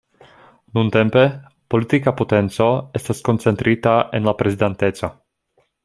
Nuntempe, politika potenco estas koncentrita en la Prezidanteco.